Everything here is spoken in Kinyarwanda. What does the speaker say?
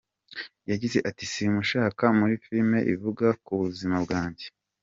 Yagize ati:” Simushaka muri filim ivuga ku buzima bwanjye.